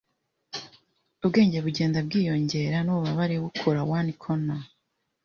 Ubwenge bugenda bwiyongera, nububabare bukura. (oneconor)